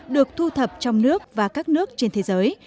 được thu thập trong nước và các nước trên thế giới